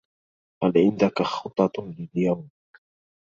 هل عندك خطط لليوم؟